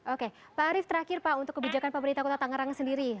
oke pak arief terakhir pak untuk kebijakan pemerintah kota tangerang sendiri